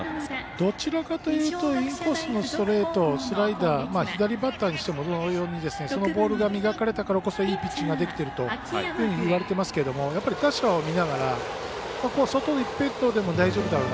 どちらかというとインコースのストレート左バッターにしても同様にそのボールが磨かれたからこそいいピッチングができているといわれていますけどもキャッチャーを見ながら外一辺倒でも大丈夫だろうな。